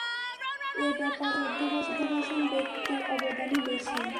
এ ব্যাপারে ঐ শ্রদ্ধাভাজন ব্যক্তির অবদানই বেশি।